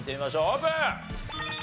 オープン！